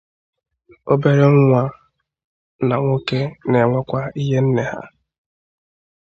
obere nwa na nwoke na-enwekwa ihe nne ha